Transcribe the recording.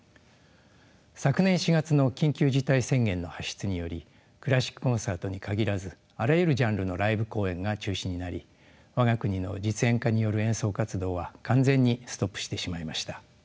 昨年４月の緊急事態宣言の発出によりクラシックコンサートに限らずあらゆるジャンルのライブ公演が中止になり我が国の実演家による演奏活動は完全にストップしてしまいました。